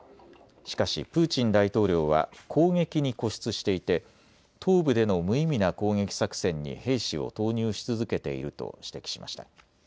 しかしプーチン大統領は攻撃に固執していて東部での無意味な攻撃作戦に兵士を投入し続けていると指摘しました。